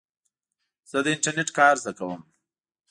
زه د انټرنېټ کار زده کوم.